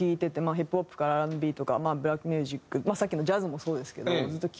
ヒップホップからＲ＆Ｂとかブラックミュージックさっきのジャズもそうですけどずっと聴いてて。